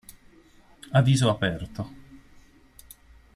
A viso aperto